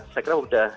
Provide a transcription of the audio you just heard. saya kira sudah